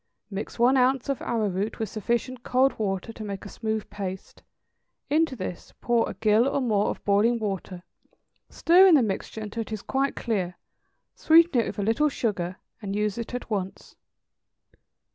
= Mix one ounce of arrowroot with sufficient cold water to make a smooth paste; into this pour a gill or more of boiling water, stirring the mixture until it is quite clear; sweeten it with a little sugar, and use it at once.